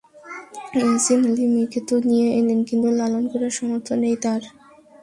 ইয়াসিন আলী মেয়েকে তো নিয়ে এলেন, কিন্তু লালন করার সামর্থ্য নেই তাঁর।